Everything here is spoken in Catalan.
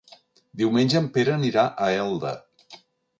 Diumenge en Pere anirà a Elda.